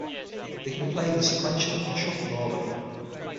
They can be played in sequential or shuffled order.